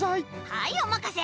はいおまかせ